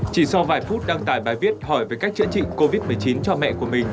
chỉ sau vài phút đăng tải bài viết hỏi về cách chữa trị covid một mươi chín cho mẹ của mình